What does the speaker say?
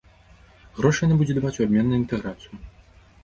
Грошы яна будзе даваць у абмен на інтэграцыю.